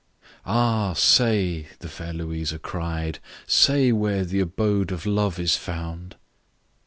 I. "AH! say," the fair Louisa cried, "Say where the abode of Love is found?"